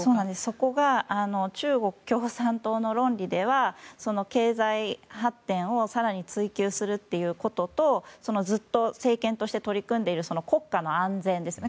そこが中国共産党の論理では経済発展を更に追求するということとずっと政権として取り組んでいる国家の安全ですね